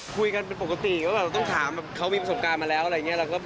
คุยกันเป็นปกติก็แบบต้องถามเขามีประสบการณ์มาแล้วอะไรอย่างนี้